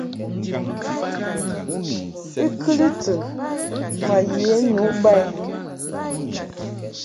I kɨli tɨn ma ye nu ba i.